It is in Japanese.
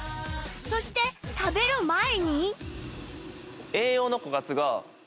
そして食べる前に